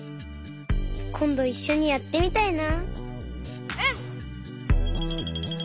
こんどいっしょにやってみたいな。